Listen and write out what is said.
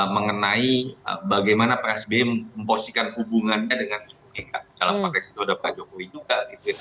mengenai bagaimana pak sby memposikan hubungannya dengan ibu mega dalam konteks itu ada pak jokowi juga